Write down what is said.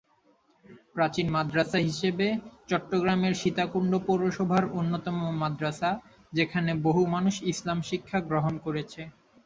প্রাচীন মাদ্রাসা হিসাবে চট্টগ্রামের সীতাকুণ্ড পৌরসভার অন্যতম মাদ্রাসা, যেখানে বহু মানুষ ইসলাম শিক্ষা গ্রহণ করেছে।